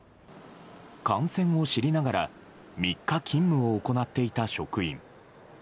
感染を知りながら３日勤務を行っていた職員。